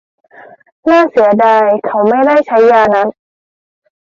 น่าเสียดายเขาไม่ได้ใช้ยานัตถ์